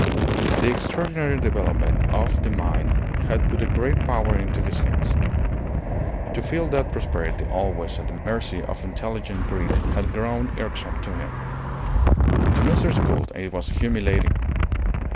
The extraordinary development of the mine had put a great power into his hands. To feel that prosperity always at the mercy of unintelligent greed had grown irksome to him. To Mrs. Gould it was humiliating.